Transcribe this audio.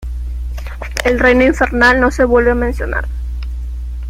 El reino infernal no se vuelve a mencionar.